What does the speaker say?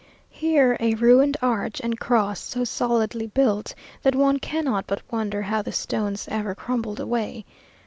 Here a ruined arch and cross, so solidly built, that one cannot but wonder how the stones ever crumbled away.